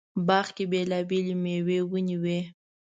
باغ کې بېلابېلې مېوې ونې وې.